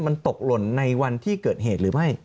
มันตกหล่นในวันที่เกิดเหตุหรือไม่